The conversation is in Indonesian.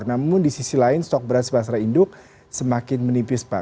namun di sisi lain stok beras pasar induk semakin menipis pak